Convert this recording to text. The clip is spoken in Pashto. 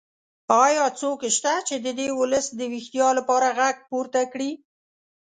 ایا څوک شته چې د دې ولس د ویښتیا لپاره غږ پورته کړي؟